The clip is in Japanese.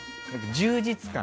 充実感？